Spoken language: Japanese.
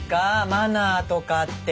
マナーとかって。